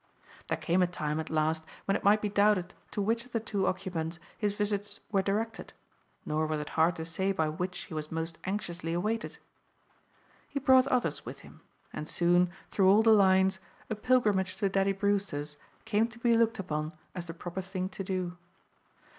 There came a time, at last, when it might be doubted to which of the two occupants his visits were directed, nor was it hard to say by which he was most anxiously awaited. He brought others with him; and soon, through all the lines, a pilgrimage to Daddy Brewster's came to be looked upon as the proper thing to do.